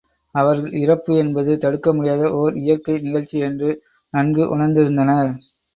அவர்கள் இறப்பு என்பது தடுக்க முடியுாத ஒர் இயற்கை நிகழ்ச்சி என்று நன்கு உணர்ந்திருந்தனர்.